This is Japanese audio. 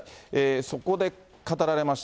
そこで語られました